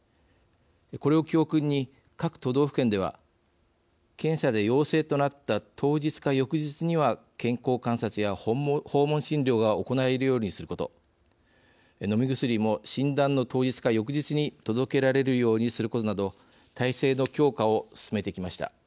これを教訓に、各都道府県では検査で陽性となった当日か翌日には健康観察や訪問診療が行えるようにすること飲み薬も診断の当日か翌日に届けられるようにすることなど体制の強化を進めてきました。